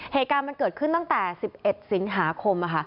เหตุการณ์มันเกิดขึ้นตั้งแต่๑๑สิงหาคม